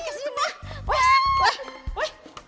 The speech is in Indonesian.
eh pak lo tau gak